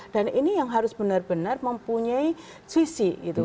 dan ini yang harus benar benar mempunyai visi gitu